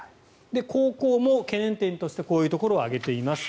高校も懸念点としてこういうところを挙げています。